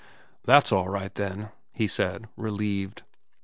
' That's all right then,' he said, relieved.